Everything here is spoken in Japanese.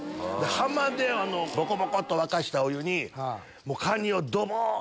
浜でボコボコと沸かしたお湯にカニをどぼん！